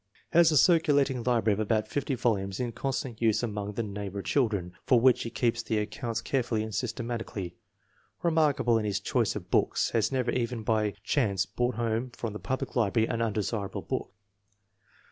'" Has a circulating library of about fifty volumes in constant use among the neighbor children, for which he keeps the accounts carefully and systematically. Remarkable in his choice of books; "has never even by chance brought home from the public library an undesirable book."